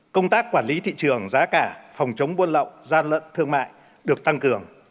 công tác quản lý thị trường giá cả phòng chống buôn lậu gian lận thương mại được tăng cường